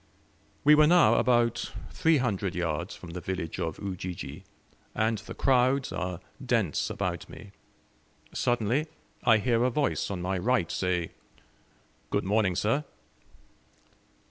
We were now about three hundred yards from the village of Ujiji, and the crowds are dense about me. Suddenly I hear a voice on my right say, "Good morning, sir!"